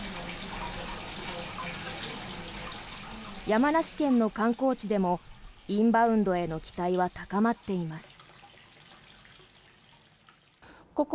山梨県の観光地でもインバウンドへの期待は高まっています。